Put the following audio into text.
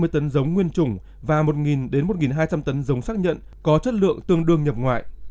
một trăm năm mươi tấn giống nguyên chủng và một đến một hai trăm linh tấn giống xác nhận có chất lượng tương đương nhập ngoại